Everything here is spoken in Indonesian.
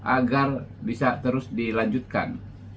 agar bisa terus dilanjutkan